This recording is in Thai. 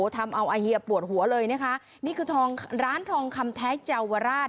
ทำเอาไอเฮียปวดหัวเลยนะคะนี่คือทองร้านทองคำแท้เยาวราช